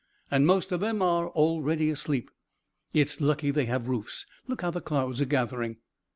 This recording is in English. And most of them are already asleep. It's lucky they have roofs. Look how the clouds are gathering!"